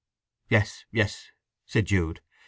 "Yes, yes," said Jude.